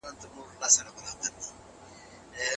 د درواغو شاهدي ورکول له سترو ګناهونو څخه دي.